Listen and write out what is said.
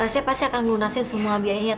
saya pasti akan melunasi semua biayanya